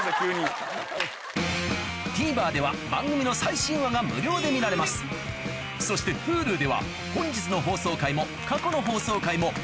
ＴＶｅｒでは番組の最新話が無料で見られますそしてＨｕｌｕでは本日の放送回も過去の放送回もいつでもどこでも見られます